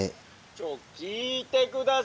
「ちょっと聞いて下さい！